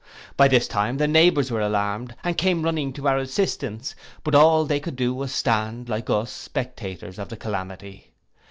By this time, the neighbours were alarmed, and came running to our assistance; but all they could do was to stand, like us, spectators of the calamity.